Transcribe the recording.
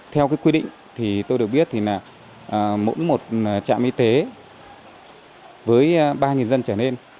theo cái quy định thì tôi được biết là mỗi một trạm y tế với ba dân trở nên